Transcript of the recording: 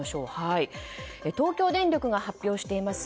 東京電力が発表しています